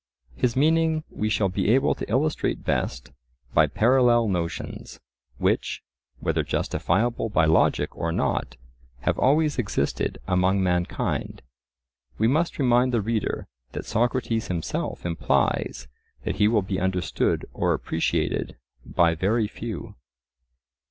His meaning we shall be able to illustrate best by parallel notions, which, whether justifiable by logic or not, have always existed among mankind. We must remind the reader that Socrates himself implies that he will be understood or appreciated by very few.